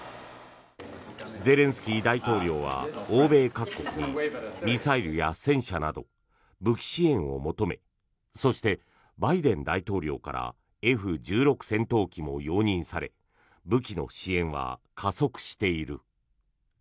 ゼレンスキー大統領は欧米各国にミサイルや戦車など武器支援を求めそして、バイデン大統領からＦ１６戦闘機も容認され武器の支援は加速している。